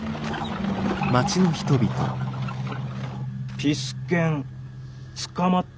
ピス健捕まった？